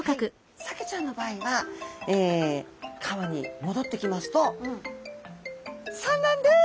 サケちゃんの場合は川に戻ってきますと産卵です。